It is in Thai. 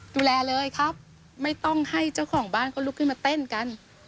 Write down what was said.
ดูแลเลยครับไม่ต้องให้เจ้าของบ้านเขาลุกขึ้นมาเต้นกัน